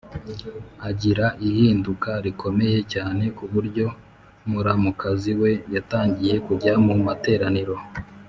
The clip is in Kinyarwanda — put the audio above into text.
agira ihinduka rikomeye cyane ku buryo muramukazi we yatangiye kujya mu materaniro